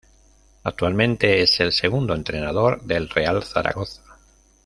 Actualmente es el segundo entrenador del Real Zaragoza.